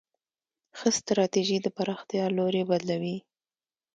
ښه ستراتیژي د پراختیا لوری بدلوي.